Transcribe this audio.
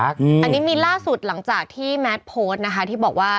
อันนี้มีล่าสุดหลังจากที่แมทโพสต์นะคะที่บอกว่า